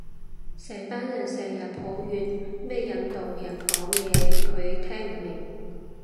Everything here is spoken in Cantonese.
成班人成人抱怨咩印度人講嘢佢聽唔明